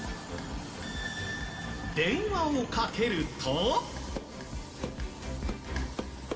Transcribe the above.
電話をかけると。